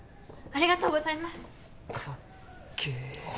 ありがとうございます！